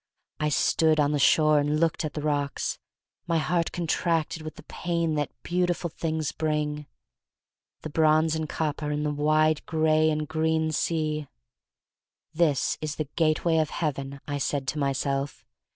I stood on the shore and looked at the rocks. My heart contracted with the pain that beautiful things bring. The bronze and copper in the wide gray and. green sea! "This is the gateway of Heaven," I said to myself.